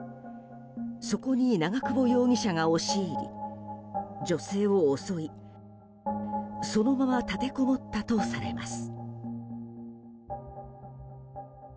そこに長久保容疑者が押し入り女性を襲い、そのまま立てこもったとされます。